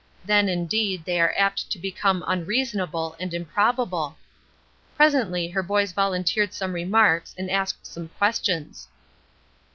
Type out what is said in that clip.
Then, indeed, they are apt to become "unreasonable" and "improbable." Presently her boys volunteered some remarks and asked some questions.